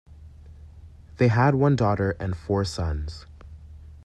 They had one daughter and four sons.